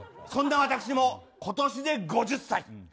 そんな私も今年で５０歳。